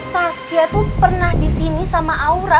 tasya tuh pernah disini sama aura